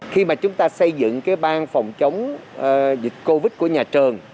khi mà chúng ta xây dựng cái bang phòng chống dịch covid của nhà trường